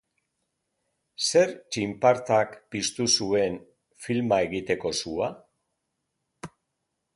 Zer txinpartak piztu zuen filma egiteko sua?